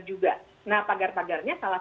juga nah pagar pagarnya salah